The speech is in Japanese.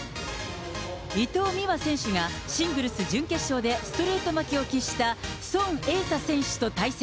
伊藤美誠選手がシングルス準決勝でストレート負けを喫した、孫穎莎選手と対戦。